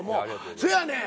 そやねん！